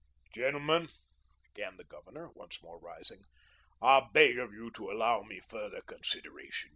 "Gentlemen," began the Governor, once more rising, "I beg of you to allow me further consideration.